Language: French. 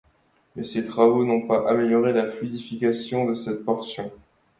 Mais ces travaux n'ont pas amélioré la fluidification de cette portion.